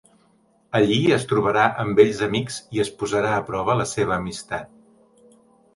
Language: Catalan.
Allí es trobarà amb vells amics i es posarà a prova la seva amistat.